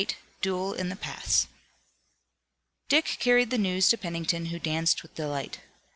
THE DUEL IN THE PASS Dick carried the news to Pennington who danced with delight.